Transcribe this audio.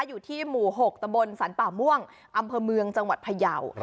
อยู่ที่หมู่๖ตะบนสรรป่าม่วงอำเภอเมืองจังหวัดพยาว